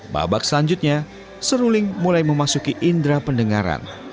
babak selanjutnya seruling mulai memasuki indera pendengaran